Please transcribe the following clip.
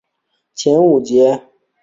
前五节背椎也是几乎完整地保存下来。